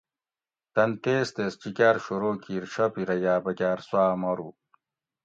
تن تیز تیز چِکاۤر شورو کِیر شاپِیرہ یاۤ بکاۤر سُواۤ مارو